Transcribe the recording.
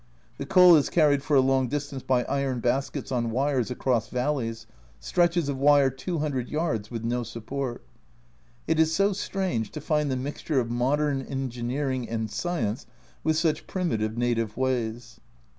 The coal is carried for a long distance by iron baskets on wires across valleys stretches of wire 200 yards, with no support. It is so strange to find the mixture of modern engineering and science with such primitive native ways.